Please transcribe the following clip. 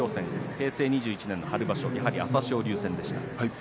平成２１年春場所朝青龍戦でした。